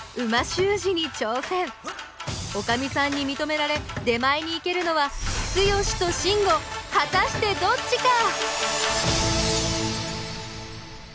おかみさんにみとめられ出前に行けるのはツヨシとシンゴ果たしてどっちか！？